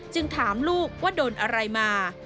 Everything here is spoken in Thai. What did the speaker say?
ถามลูกว่าโดนอะไรมา